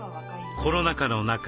コロナ禍の中